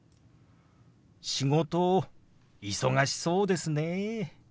「仕事忙しそうですね」。